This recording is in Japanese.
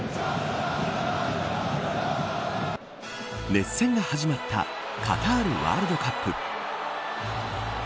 熱戦が始まったカタールワールドカップ。